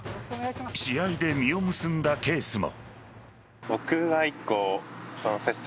試合で実を結んだケースも。